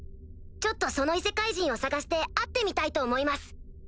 ちょっとその異世界人を捜して会ってみたいと思います。